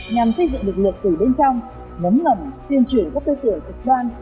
nhằm xây dựng lực lượng từ bên trong nấm ngầm tuyên truyền các tư tưởng thực đoan